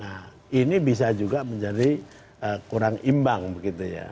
nah ini bisa juga menjadi kurang imbang begitu ya